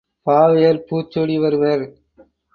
பாவையர் பூச்சூடி வருவர்.